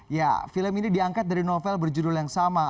ya film ini diangkat dari novel berjudul yang sama